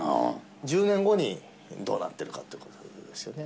１０年後にどうなってるかということですよね。